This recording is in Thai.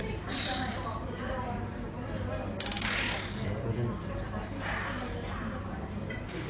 เอาเลย